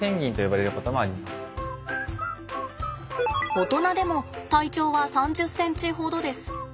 大人でも体長は３０ｃｍほどです。